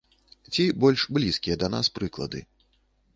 Ці больш блізкія да нас прыклады.